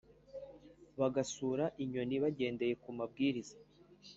bagasura inyoni bagendeye ku mabwiriza